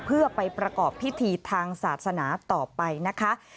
เพื่อไปประกอบพิธีทางศาสนาต่อไปนะคะ